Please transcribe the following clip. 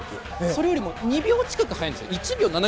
それよりも２秒近く早いんですよ。